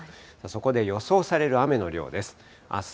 そこで予想される雨の量です。